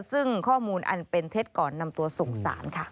ซึ่งข้อมูลอันเป็นเท็จก่อนนำตัวส่งสารค่ะ